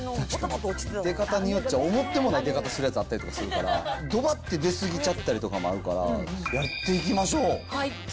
出方によっちゃ、思ってもない出方するやつあったりするから、どばって出すぎちゃったりとかもあるから、やっていきましょう！